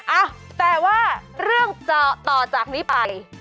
เอ้าแต่ว่าเรื่องจะต่อจากนี้ไป